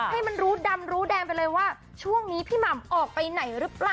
ให้มันรู้ดำรู้แดงไปเลยว่าช่วงนี้พี่หม่ำออกไปไหนหรือเปล่า